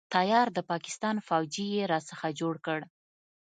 تيار د پاکستان فوجي يې را څخه جوړ کړ.